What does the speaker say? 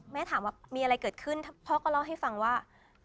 ถามว่ามีอะไรเกิดขึ้นพ่อก็เล่าให้ฟังว่า